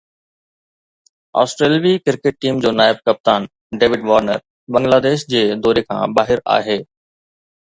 آسٽريلوي cricket team جو نائب ڪپتان ڊيوڊ وارنر بنگلاديش جي دوري کان ٻاهر آهي